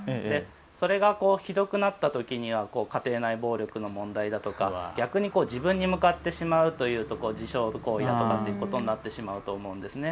それがひどくなったときには家庭内暴力の問題だとか逆に自分に向かってしまうと自傷行為だとかっていうことになってしまうと思うんですね。